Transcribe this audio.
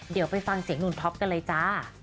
เดี๋ยวไปฟังเสียงหนุ่มท็อปกันเลยจ้า